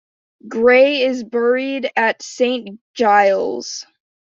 Gray is buried at Saint Giles'.